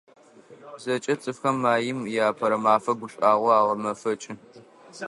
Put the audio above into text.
ЗэкӀэ цӀыфхэм Маим и Апэрэ мафэр гушӀуагъоу агъэмэфэкӀы.